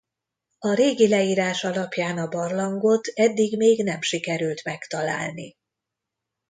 A régi leírás alapján a barlangot eddig még nem sikerült megtalálni.